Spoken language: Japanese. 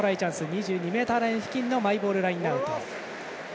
２２ｍ付近でのマイボールラインアウト。